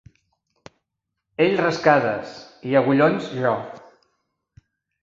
Ell rascades i Agullons jo!